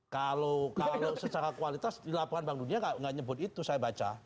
kalau secara kualitas di laporan bank dunia nggak nyebut itu saya baca